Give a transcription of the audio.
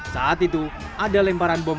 saat itu ada lemparan bom